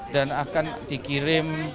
dan akan dikirim